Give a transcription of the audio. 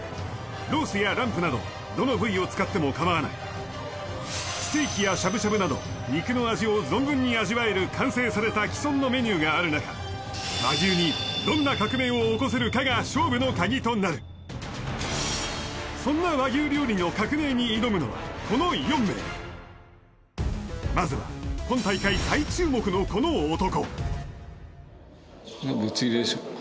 ロースやランプなどどの部位を使ってもかまわないステーキやしゃぶしゃぶなど肉の味を存分に味わえる完成された既存のメニューがある中和牛にどんな革命を起こせるかが勝負の鍵となるそんな和牛料理の革命に挑むのはこの４名まずは今大会最注目のこの男